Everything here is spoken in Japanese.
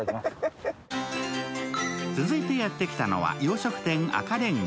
続いてやってきたのは洋食店・赤煉瓦。